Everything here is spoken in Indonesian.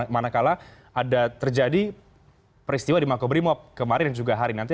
manakala ada terjadi peristiwa di makobrimob kemarin dan juga hari nanti